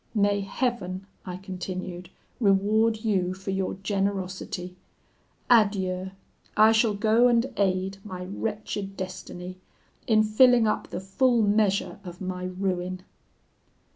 May Heaven,' I continued, 'reward you for your generosity! Adieu! I shall go and aid my wretched destiny in filling up the full measure of my ruin!'